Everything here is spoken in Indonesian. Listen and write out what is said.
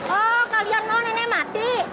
oh kalian mau nenek mati